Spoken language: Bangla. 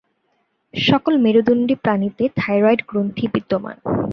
সকল মেরুদন্ডী প্রাণীতে থাইরয়েড গ্রন্থি বিদ্যমান।